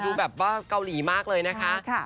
ดูแบบว่าเกาหลีมากเลยนะคะ